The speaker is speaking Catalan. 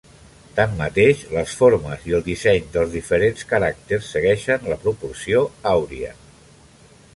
Tanmateix, les formes i el disseny dels diferents caràcters segueixen la proporció àuria.